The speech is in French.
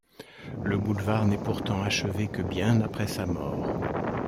Le boulevard n'est pourtant achevé que bien après sa mort.